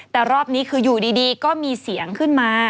แต่รอบนี้คืออยู่ดีก็มีเสียงขึ้นมา